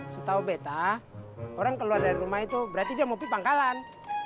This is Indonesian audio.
setau beta orang keluar dari rumah itu berarti dia ngopi pangkalan